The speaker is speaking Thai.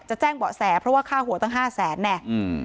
จะแจ้งเบาะแสเพราะว่าค่าหัวตั้ง๕๐๐๐๐๐บาท